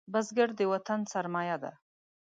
بزګر د وطن سرمايه ده